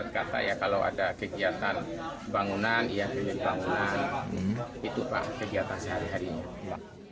kata ya kalau ada kegiatan bangunan ya kegiatan bangunan itulah kegiatan sehari harinya